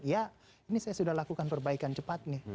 ya ini saya sudah lakukan perbaikan cepat nih